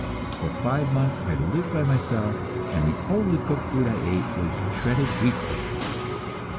For five months I lived by myself, and the only cooked food I ate was shredded wheat biscuit.